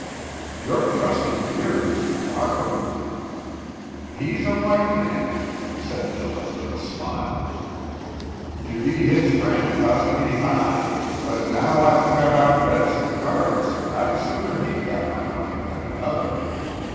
"Your trust in Deering is remarkable!" "He's a white man," said Dillon with a smile. "To be his friend cost me high, but now I've cut out bets and cards, I'd sooner he'd got my money than another.